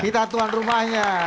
kita tuan rumahnya